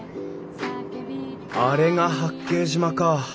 あれが八景島か。